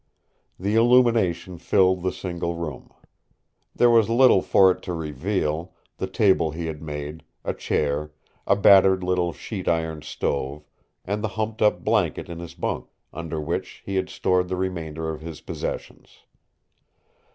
The illumination filled the single room. There was little for it to reveal the table he had made, a chair, a battered little sheet iron stove, and the humped up blanket in his bunk, under which he had stored the remainder of his possessions.